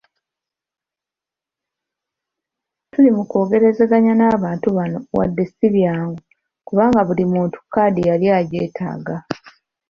Tuli mukwogerezeganya n'abantu bano wadde si byangu kubanga buli muntu kkaadi yali agyetaaga.